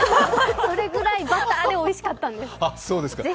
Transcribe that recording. それぐらいバターでおいしかったんです。